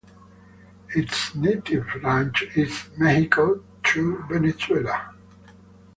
Its native range is Mexico to Venezuela.